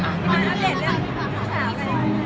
คุณบาลอันเด็ดเรื่องผู้สาวไหม